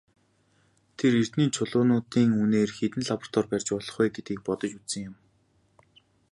Тэр эрдэнийн чулуунуудын үнээр хэдэн лаборатори барьж болох вэ гэдгийг бодож үзсэн юм.